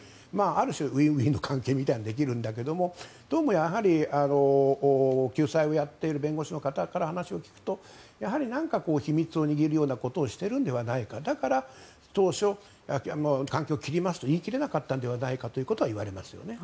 ある種、ウィンウィンの関係ができるんだけどもどうもやはり、救済をやっている弁護士の方から話を聞くと何か秘密を握るようなことをしているのではないかだから、当初、関係を切りますと言い切れなかったのではないかといわれますよね。